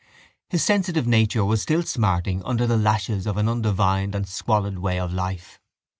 His sensitive nature was still smarting under the lashes of an undivined and squalid way of life.